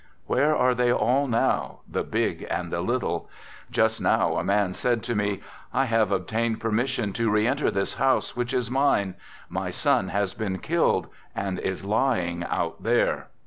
Where are they all now, the big and the little? Just now a man said to me: " I have obtained permission to reenter this house which is mine ; my son has been killed, and is lying out there."